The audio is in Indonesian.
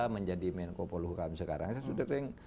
menjadi menko poluhukam sekarang